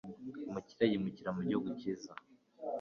umukire yimukira mugihugu cyiza,